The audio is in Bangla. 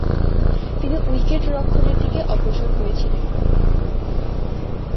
তিনি উইকেট-রক্ষণের দিকে অগ্রসর হয়েছিলেন।